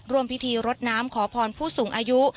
ร่วมพิธีรดน้ำขอพรผู้สูงอายุ